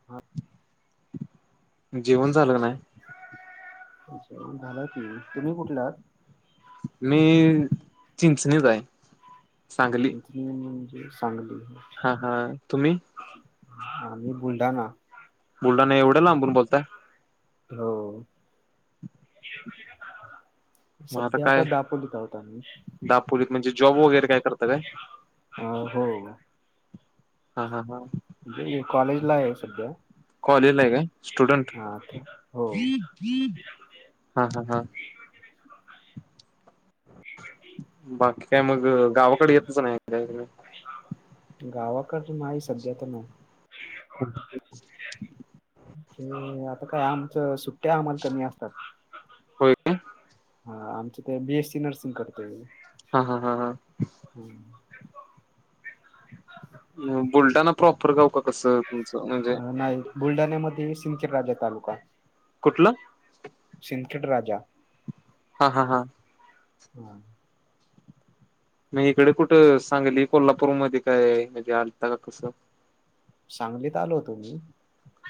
हा जेवण झाचाल नाही अच्छा झाला की तुम्ही कुठला आहात मी, चिंचणीच आय, सांगली. ज,, म म्हणजे सांगली,, हा,, हा तुम्ही? आम्ही बुलढा ना. बुलढाणा, एवढ्यालांबून बोलताय‌ हो, ष मग सध्या आता काय दापोलीत आहोत आमी. दापोलीत म्हणजे जॉब वगैरे काय करता काय? अ,, हो, हा, हा, हा म्हणजे कॉलेजला आहे सध्या. कॉलेज ला आहे काय? स्टुडंट,,, हा ते हो हा, हा, हा. बाकी काय मग? गावाकडे येतच नाही काय तुम्ही ऽ गावाकड नाही,, सध्या तर नाही ऽ ह आता काय आमचं सुट्ट्या हमाल कमी असतात. होय काय? हा,, आमची तर बी एस सी नर्सिंग करतोय मी. हा, हा, हा हा हम्म, बुलढाना प्रॉपर गाव का कसं? तुमचं म्हणजे नाही, बुलढाण्यामध्ये सिंखेर राजा तालुका. कुठलं? सिंखेड राजा. हा, हा, हा हम, मग इकडे कुठं, सांगली कोल्हापूर मध्ये काय? म्हणजे आलता का कसं? सांगलीत आलो होतो मी,,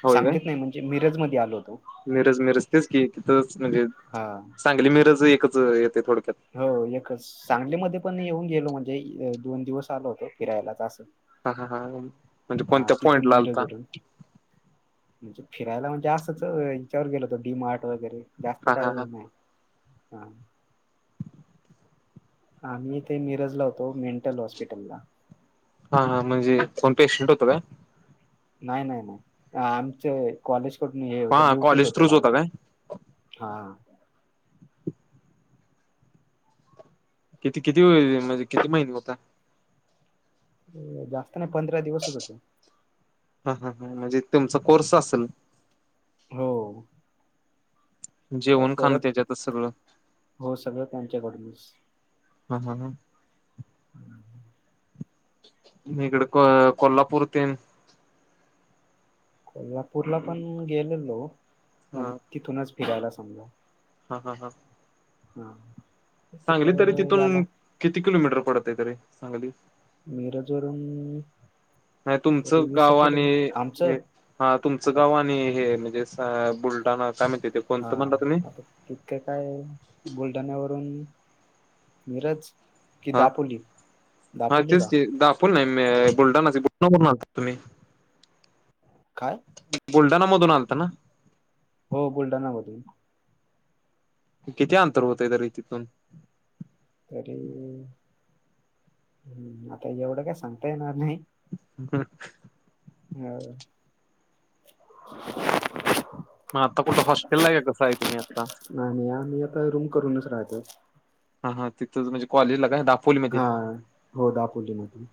होय काय? सांगलीत नाही म्हणजे मिरज मध्ये आलो होतो. मिरज, मिरज तेच की,, तिथच म्हणजे. हा, सांगली मिरज एकच येतय थोडक्यातऽ हो,, एकच,, सांगलीमध्ये पण येऊन गेलो म्हणजे दोन दिवस आलो होतो फिरायलाच असंऽ हा, ह, हा म्हणजे कोणत्या पॉईंट ला आलता? मिरजवरून म्हणजे फिरायला आसच याच्यावर गेलोतो, डीमार्ट वगैरे,, जास्त हा हा हा काही नाही. हम, आम्ही इथे मिरज ला होतो, मेंटल हॉस्पिटलला. हा, ह म्हणजे कोण पेशंट होत काय? नाही, नाही, नाही आमचे कॉलेज कडून हे काय होतं,, हा ड्युटीच कॉलेज होते्या थ्रूच लावऽ होता काय हा, किती, किती म्हणजे किती महिने होता? जास्त नाही पंधरा दिवसच होतो. हा, ह, ह म्हणजे तुमचा कोर्स असेल. हो, आता जेवण खाणं परत त्याच्यातच सगळं. हो सगळं त्यांच्याकडूनच. हम,, हा ह, हम्म, इकडं कोल्हापूर तेनऽ कोल्हापूरला पण गेलेलो,, म्हणजे हा तिथूनच फिरायला समजाऽ हा, हा, हा हा. सांगली तरी तिथं याला तिथून किती किलोमीटर पडत आहे तरी सांगली. मीरा जोरून नाही तुमचं गाव आणि आमचं हे हा तुमचं आता गाव आणि हे म्हणजे अ बुलढाणा अस मा ते हा कोणतं म्हणला तुम्ही आता तितके काय बुलढाण्यावरून मिरज कि हा दापोली हा दापोली तेच का दाफोल नाही बुलढाणा बुलढाून आण तुम्ही काय गुलडाणा मधून आलत ना हो बोलताा ना मग तु्ही किती अंतर होत आहे तररी तिथून तरी हम् आता एवढं काय सांगता येणार नाही हम हा मग आताुठे हॉस्टेल आहे कासं आहे तुम्ही आता नाही नाही आम्ही आता रूम करूनच राहतो हा ह तथं म्हणे कॉलेजला काया हा हो दापोली मधून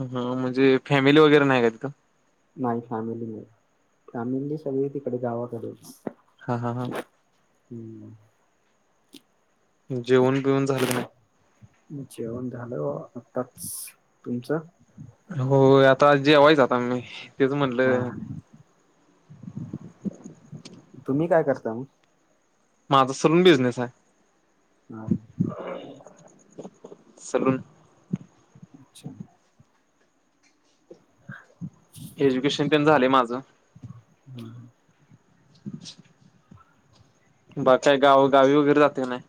ह म्हणजे फॅमिली वगैरे नाही का तिथं नाही फॅमिली नाही फॅमिली सगळी तिकडे गावाकडे हा हा हा हम्म जेवण बिऊन झालं नाही जेवण झालं आताच तुमचं हो आता जेवायच आता मी तेच हा म्हटलं तुम्ही काय करता मग माझा सरून बिझनेस आहे हम्म. सलुन अच्छा एज्युकेशन पण झालं माझं हम्म. बघ काय गावं गावी वगैरे जाते का नाही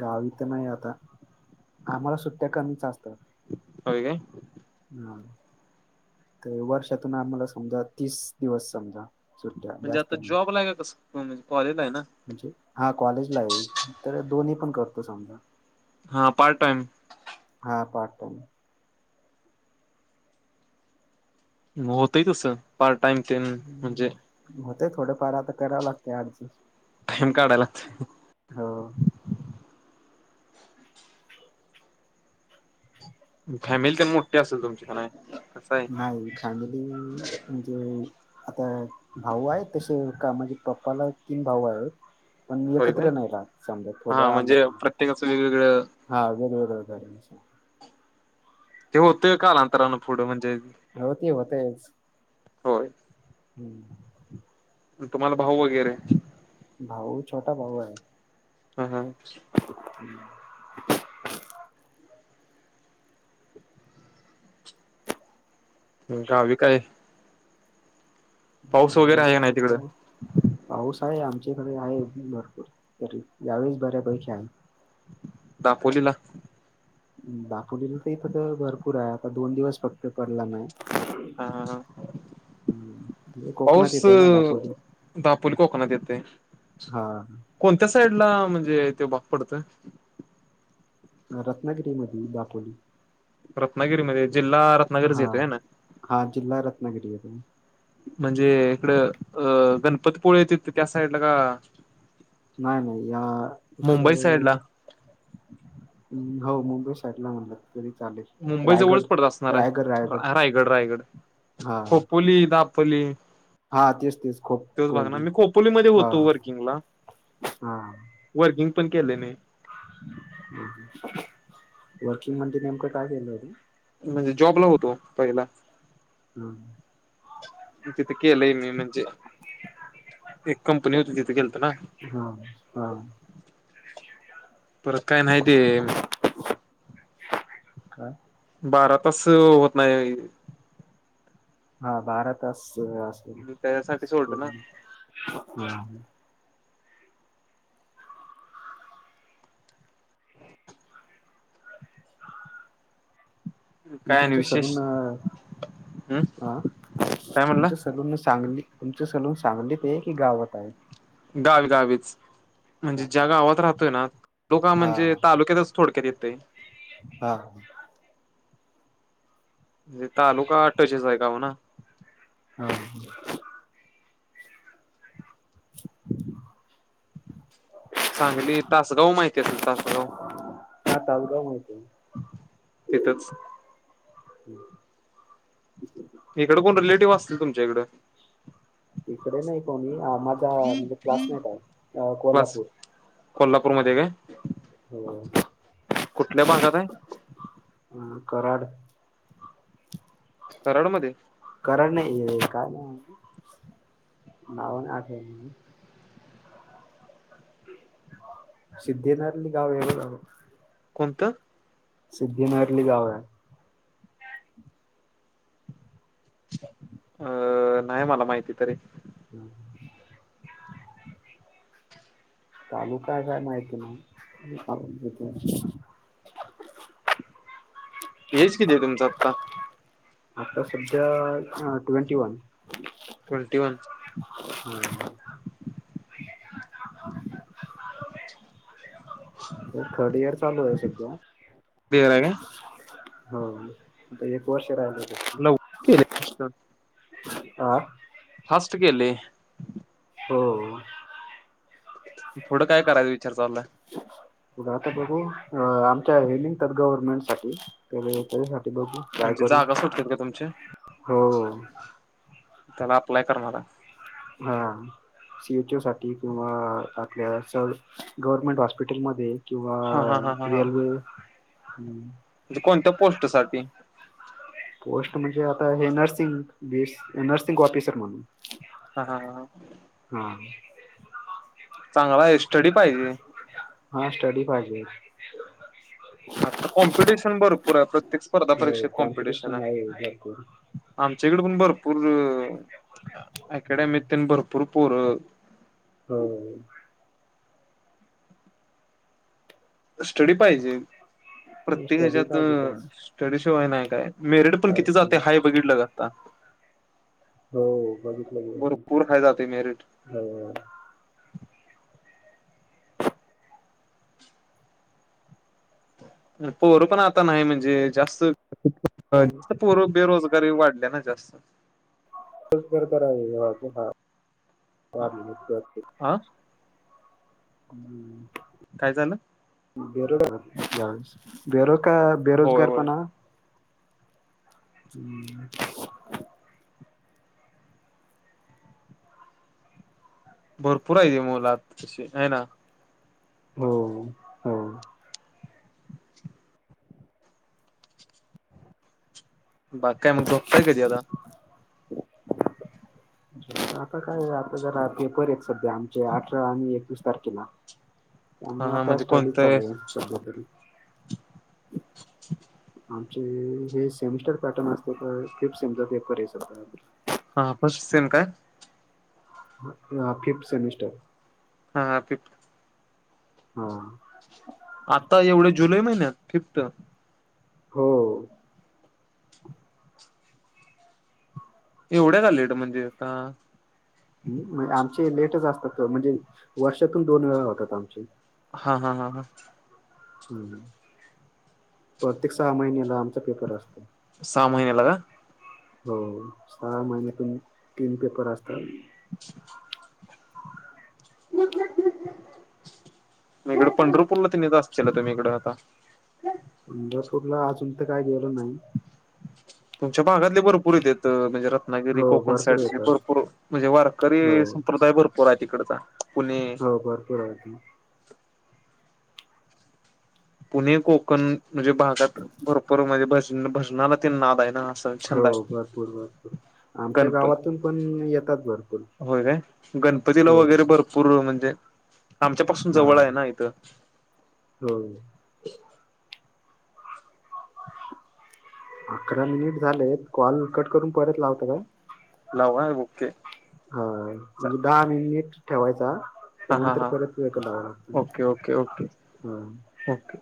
गावीथ नाही आता आम्हाला सुट्ट्या कमीच असतात होय काय. हा ते वर्षातून आम्हाला समजा तीस दिवस समजा सुट्ट्या म्हणजे जास्त आता नाही. जॉबला आहे का कस म्हज कॉलेजला आहे ना म्हणजे हा कॉलेज ला येईल तर दोन्ही पण करतो समजा हा पार्ट टाइम हा हा हा. ग होतं तस पार्ट टाइम ते म्हणजे होते थोडेफार आता करावं लागते अर्ज टाइम काढाला हो. फॅमिली तर मोठी असेल तुमच्याकडे नाही फॅमिली म्हणजे आता भाऊ आहे तसे का म्हणजे पप्पाला तीन भाऊ आहेत पण होय काय एकत्र नाही राहत समजा थोडं हा आलं म्हणजे का प्रत्येकाचं वेगवेगळं हा बरबरो ते होतंय कालांतरानं पुढं म्हणजे हो ते होतेच होय हम तुम्हाला भाऊ वगैरे भाऊ छोटा भाऊ आहे हम्म हम्म गवी काय पाऊस आणि वगैरे आहे का आता नाही तिकडे सध्या पाऊस आहे आमच्याकडे आहे भरपूर तर यावेळेस बऱ्यापैकी आहे दापोलीला दापोलीला तर इथ तर भरपूर आहे आता दोन दिवस फक्त पडला नाही हा हा हा. हम्म कोकणात पाऊस येतय ना दापोली दापोली कोकण येत हा कोणत्या साईड ला म्हणजे ते भाग पडत रत्नागिरी मध दापोली रत्नागिरीमध्ये जिल्हा रत्नागिरीच हा येतोय ना हा जिल्हा रत्नागिरी आहे त म्हणजे इकड अ गणपतीपुळे य त त्या साईडला का नाही नाही या इकडे मुंबई साईडला हम्म हो मुंबई साईडला म्हणलं तरी चालेल मुंबई जवळच रायगड पडत असणार रायगड आहे रायगड रायगड हा खोपोली दा [inaudible] हा तेच तेच खोपोली हम् वर्गिंग पण केलेने वर्किंग म नेमकं काय केलं होत म्हणजे जॉब ला होतो पहिला हम् तिथे केलंय मी म्हणजे एक कंपनी होती तिथे गलं हा हा हा परत काय नाहीती का बारा तास होत नाही हा भारतच असेल त्याच्यासाठी प सोडलं ना ह काय आणि तुमच विशेष सलून हम् हा काय म्हणला तुमच सलून चांगली तुमची सलून सांगलीत आहे की गावात आहे गावी गावीच म्हणजे ज्या गावात राहतोय ना लो का हा म्हणजे तालुक्यात थोडक्या देतय हा ह म्हणे तालुका अटचेच आहे का हो ना हा [inaudible] सांगली तासगाव माहिती असेल तासगाव हाता उ जा य त तिथंच हम् इकडे कोण रिलेटिव्ह असतील तुमच्याकडं तिकडे नाही कोणी माझा म्हणजे क्लासमेट आहे कोल्हापूर कोल्हापूरमध्येध्ये काय हो कुठल्या भागात आहे हम् कराड कराडमध्ये क नाही काय नाही बाऊन आठ सिद्धिनाथली गाव आहे कोणतं सिद्धीनायकली गाव आहे अ नाही मला माहिती तरी हम तालुका काय माहिती ना एज किती आहे तुमचा आत्ता आता सध्या twenty one twenty one hmm third year चालू आहे सगळ्या क्लिअर आहे काय हो आता एक वर्ष राहिलं फक्त न हा फस्ट केली हो पुढं काय करायं विचार चालला आता बघू आमच्या हे निघतात गव्हर्नमेंट सासाठी त्यासाठी बघू काय म्हणजे करू जागा सुटतात का तुमच्या हो त्याला अप्लाय करणार आहे हा सी एचओ साठी किंवा आपल्या स गव्हर्मेंट हॉस्पिटलमध्ये किंवा हा हा हा हा हा रेल्वे हम म्हणजे कोणत्या पोस्ट साठी पोस्ट म्हणजे आता हे नर्सिंग बी नर्सिंग ऑफिसर म्हणून हा हा ह ह हा चांगला आहे स्टडी पाहिजे हा स्टडी पाहिजे. आता कॉम्पिटिशन भरपूर आहे प्रत्येक स्पर्धा परीक्षेत कॉम्पिटिशन आहे. आमच्याकड पण भरपूर अकॅडमी भरपूर पोर हो स्टडी पाहिजे प्रत्येक स्टडी हच्यात पाहिजे तेच ्टडीशिवाय नाही काय मेरिट पण किती काहीच जाते नाही हाय बघितलं का आता हो बघितलं भरपूर हाय जाते मेरिट हो पोर पण आता नाही म्हणजे जास्त हो पूर बेरोजगारी वाढल्या ना जास्त च बरबर आहेज हा आं हम्म काय झालं? बेरोज बेरोज का होय बेरोजगार होय पणा हम्म भरपूर आहे मुलात तशी आहे ना हो हो [inaudible] बाग काय मग झोपताय कधी आता? आता काय आता जरा पेपर आहेत सध्या आमचे अठरा आणि एकवीस तारखेला हा त्यामुळे हा आता म्हणजे स्टडी कोणतं चालू आहे सध्या तरी हे सेमिस्टर पॅटर्न असते का फिफ्थ सेमिस्टर पेपर हे स वापस सेम काय ह फिफ्थ सेमिस्टर हा हा फिफ्थ हा आता एवढ्या जुलै महिन्यात फिफ्थ हो एवढ्या का लेट म्हणजे का आमचे लेटच असतात म्हणजे वर्षातून दोन वेळा होतात आमचे हा हा हा हा ह प्रत्येक सहा महिन्याला आमचा पेपर असतो सहा महिन्याला का? हो सहा महिन्यातून तीन पेपर असतात. [unintelligible] म इकडे पंढरपूरला तिने जात असल तुम्ही इकडे आता पंढरपूरला अजून तर काय गेलो नाही. तुमच्या भागातले भरपूर येत म्हणजे रत्नागिरी, हो कोकण भरपूर साईड येतात भरपूर म्हणजे हो वारकरी संप्रदाय भरपूर आहे तिकडचा पुणे हो भरपूर हयातीत - पुणे कोकण म्हणजे भागात भरपूर म्हणजे भज भजनाला ते नाद आहे ना. असं हो छंद आहे. भरपूर भरपूर आमच्या गणपती गावातून पण येतात भरपूर होय काय गणपतीला हो वगैरे भरपूर म्हणजे आमच्या पाासून जवळ आहे ना इथं होम अकरा मिनिट झाले कॉल कट करून परत लावता का? लाव बुके. हा म्हणजे दहा आणि नीट ठेवायचा. हा त्यानंतर हा परत लां लागत okay okay okay hmm. Okay